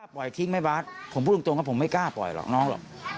ปล่อยทิ้งแม่บาสผมพูดตรงว่าผมไม่กล้าปล่อยหรอกน้องหรอก